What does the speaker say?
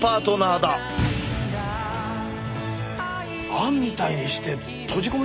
あんみたいにして閉じ込め。